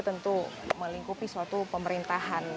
tentu melingkupi suatu pemerintahan